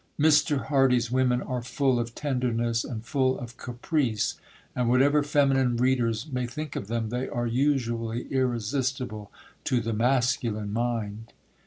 Mr. Hardy's women are full of tenderness and full of caprice; and whatever feminine readers may think of them, they are usually irresistible to the masculine mind.